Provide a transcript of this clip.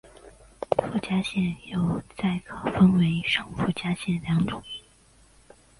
附加线又再可分为上附加线两种。